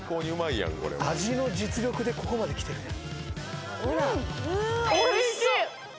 味の実力でここまできてるやん。